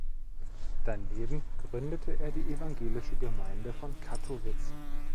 Daneben gründete er die evangelische Gemeine von Kattowitz.